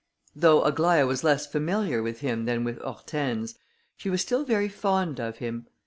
Though Aglaïa was less familiar with him than with Hortense, she was still very fond of him.